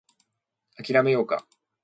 諦めようか